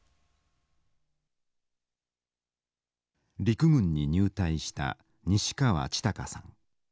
陸軍に入隊した西川千孝さん。